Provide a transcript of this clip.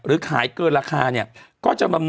เป็นการกระตุ้นการไหลเวียนของเลือด